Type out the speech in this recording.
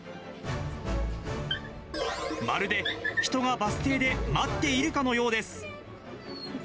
まるで人がバス停で待っているかのようです。